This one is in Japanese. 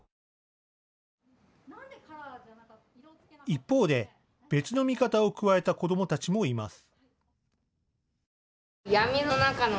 一方で別の見方を加えた子どもたちもいます。